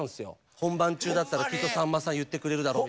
本番中だったらきっとさんまさん言ってくれるだろう。